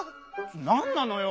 なんなのよ